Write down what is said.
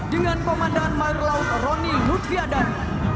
dengan komandan mayor laut roni lutfiadan